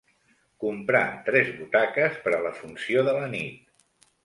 Comprar tres butaques per a la funció de la nit.